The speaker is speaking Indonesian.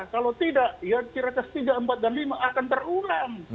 kalau tidak ya kira kira setiga empat dan lima akan terulang